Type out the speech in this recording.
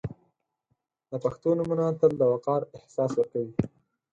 • د پښتو نومونه تل د وقار احساس ورکوي.